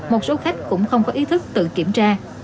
một số khách cũng không có ý thức tự kiểm tra